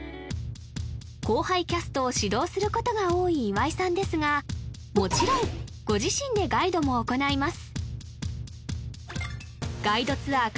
後輩キャストを指導することが多い岩井さんですがもちろんこの日はを行います